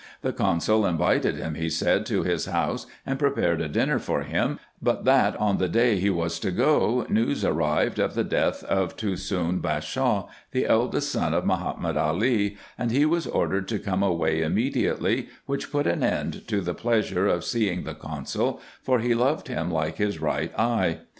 The consul invited him, he said, to his house, and prepared a dinner for him ; but that, on the day he was to go, news arrived of the death of Tusoon Bashaw, the eldest son of Mahomet Ali ; and he was ordered to come away immediately, which put an end to the plea sure of seeing the consul, for he loved him like his right eye.